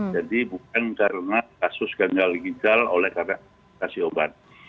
jadi bukan karena kasus gagal ginjal oleh karena menggunakan obat